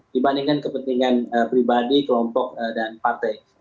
dibandingkan kepentingan pribadi kewajiban dan kepentingan pilihan pks